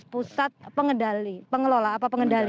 pusat pengendali pengelola apa pengendali